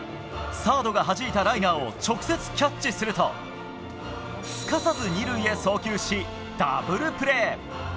サードがはじいたライナーを直接キャッチするとすかさず２塁へ送球しダブルプレー！